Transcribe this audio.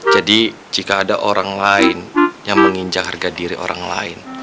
jadi jika ada orang lain yang menginjak harga diri orang lain